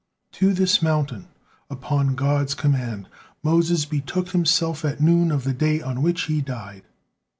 To this mountain, upon God's command, Moses betook himself at noon of the day on which he died.